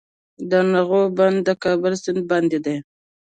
د نغلو بند د کابل سیند باندې دی